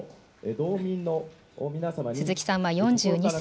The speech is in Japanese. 鈴木さんは４２歳。